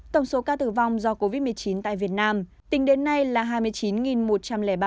tổng số ca tử vong do covid một mươi chín tại việt nam tính đến nay là hai mươi chín một trăm linh ba ca chiếm tỷ lệ hai so với tổng số ca nhiễm